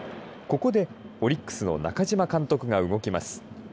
ここで、オリックスの中嶋監督が動きます。